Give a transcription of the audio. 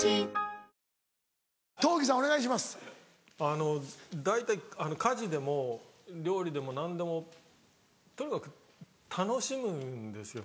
あの大体家事でも料理でも何でもとにかく楽しむんですよ。